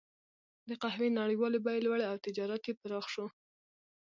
د قهوې نړیوالې بیې لوړې او تجارت یې پراخ شو.